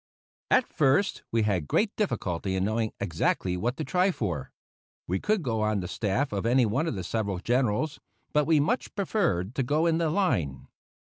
At first we had great difficulty in knowing exactly what to try for. We could go on the staff of any one of several Generals, but we much preferred to go in the line.